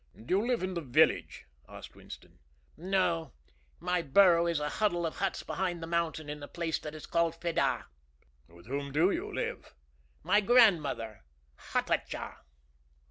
"Do you live in the village?" asked Winston. "No; my burrow is in a huddle of huts behind the mountain, in a place that is called Fedah." "With whom do you live?" "My grandmother, Hatatcha."